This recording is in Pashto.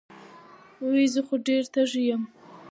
وې زۀ خو ډېر تږے يم